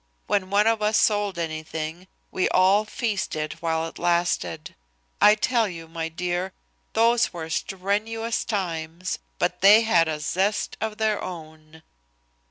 When one of us sold anything we all feasted while it lasted. I tell you, my dear, those were strenuous times but they had a zest of their own."